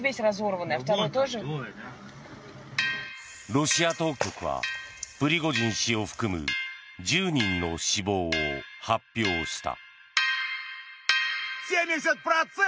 ロシア当局はプリゴジン氏を含む１０人の死亡を発表した。